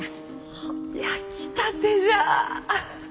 あ焼きたてじゃ！